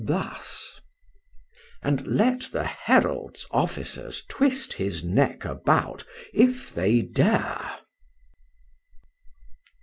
—Thus: —And let the herald's officers twist his neck about if they dare.